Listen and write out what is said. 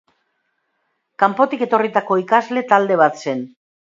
Kanpotik etorritako ikasle talde bat zen.